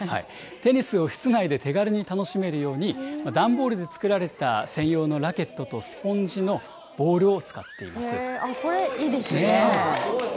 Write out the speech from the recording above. テニスを室内で手軽に楽しめるように、段ボールで作られた専用のラケットとスポンジのボールを使あっ、これいいですね。